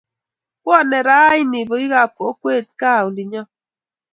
Bwone ranii bikaap kokwet gaa olinyo